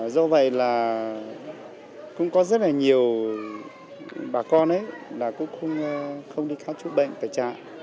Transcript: do vậy là cũng có rất là nhiều bà con cũng không đi khám chữa bệnh tại trạm